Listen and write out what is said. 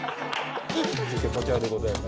続いてこちらでございます。